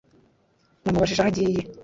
Namubajije aho agiye